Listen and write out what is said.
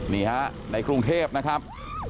นี่ฮะในกรุงเทพนะครับ